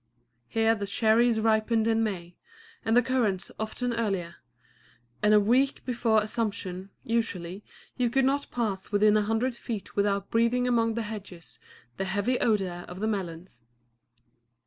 Here the cherries ripened in May, and the currants often earlier, and a week before Assumption, usually, you could not pass within a hundred feet without breathing among the hedges the heavy odor of the melons.